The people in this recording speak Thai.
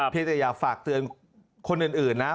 เพียงแต่อย่าฝากเตือนคนอื่นนะ